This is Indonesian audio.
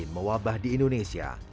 mewabah di indonesia